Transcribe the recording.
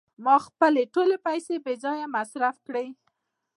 ما خپلې ټولې پیسې بې ځایه مصرف کړې.